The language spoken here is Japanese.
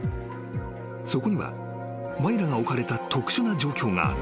［そこにはマイラが置かれた特殊な状況があった］